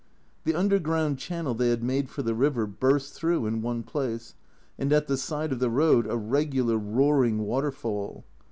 The underground channel they had made for the river burst through in one place, and at the side of the road a regular roaring waterfall.